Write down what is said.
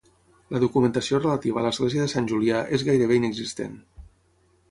La documentació relativa a l'església de Sant Julià és gairebé inexistent.